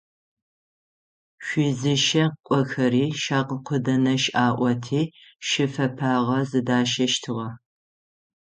Шъузыщэ кӏохэри щагукъыдэнэш аӏоти шы фэпагъэ зыдащэщтыгъэ.